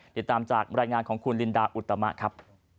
ติดตามจากบรรยายงานของคุณลินดาอุตมะครับ